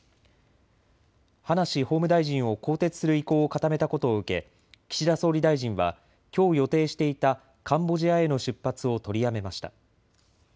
葉梨法務大臣を更迭する意向を固めたことを受け岸田総理大臣はきょう予定していたカンボジアへの出発を取りやめました。